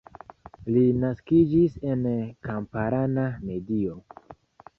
Li naskiĝis en kamparana medio.